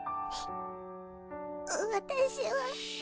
私は。